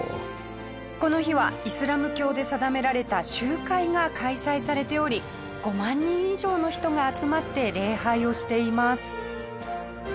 この日はイスラム教で定められた集会が開催されており５万人以上の人が集まって礼拝をしています。